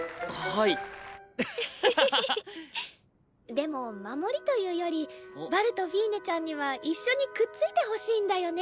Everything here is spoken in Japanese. でも守りというよりバルとフィーネちゃんには一緒にくっついてほしいんだよね。